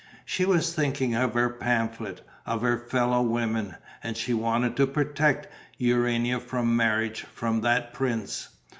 She was thinking of her pamphlet, of her fellow women; and she wanted to protect Urania from marriage, from that prince.